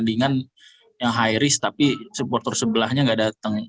pertandingan yang high risk tapi supporter sebelahnya nggak datang